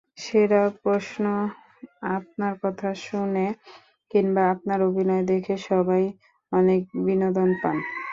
সেরা প্রশ্নআপনার কথা শুনে কিংবা আপনার অভিনয় দেখে সবাই অনেক বিনোদন পান।